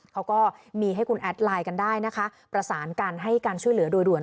เขาก็มีให้คุณแอดไลน์กันได้นะคะประสานกันให้การช่วยเหลือโดยด่วน